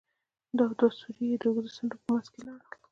او دوه سوري يې د اوږدو څنډو په منځ کښې لرل.